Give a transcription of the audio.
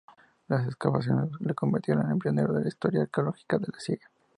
Las excavaciones le convirtieron en pionero de la historia arqueológica de Siria.